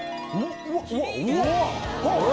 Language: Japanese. うわっ何